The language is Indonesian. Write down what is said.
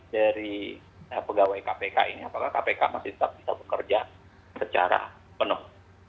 dari pegawai kpk ini apakah kpk masih tetap bisa bekerja secara penuh